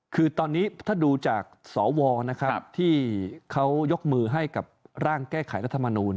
คือตอนนี้ถ้าดูจากสวที่เขายกมือให้กับร่างแก้ไขรัฐมนูล